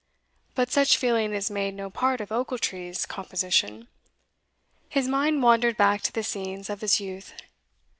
But such feeling is made no part of Ochiltree's composition. His mind wandered back to the scenes of his youth.